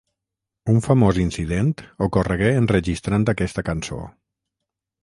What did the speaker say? Un famós incident ocorregué enregistrant aquesta cançó.